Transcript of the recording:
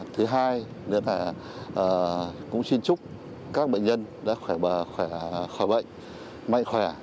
thứ hai là cũng xin chúc các bệnh nhân đã khỏe bệnh mạnh khỏe